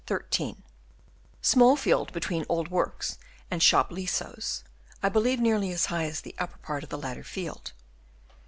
13 Small field between " Old Works ' and " Shop Leasows," I believe nearly as high as the upper part of the latter field.